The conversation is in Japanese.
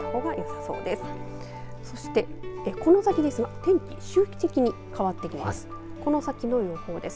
そしてこの先ですが天気周期的に変わってきます。